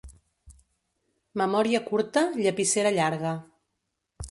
Memòria curta, llapissera llarga.